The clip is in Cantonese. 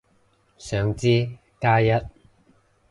想知，加一